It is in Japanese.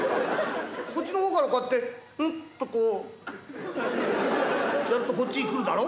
こっちの方からこうやってふっとこうやるとこっち来るだろ。